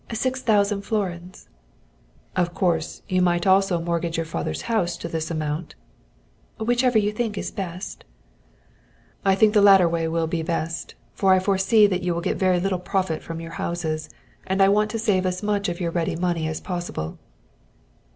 Six thousand florins." "Of course, you might also mortgage your father's house to this amount." "Whichever you think best." "I think the latter way will be best, for I foresee that you will get very little profit from your houses, and I want to save as much of your ready money as possible."